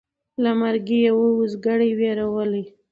له مرګي یې وو اوزګړی وېرولی